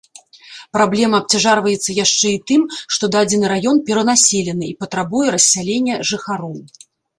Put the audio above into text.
Праблема абцяжарваецца яшчэ і тым, што дадзены раён перанаселены і патрабуе рассялення жыхароў.